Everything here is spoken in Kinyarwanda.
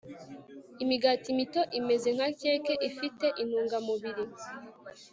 Imigati mito imeze nka keke ifite intungamubiri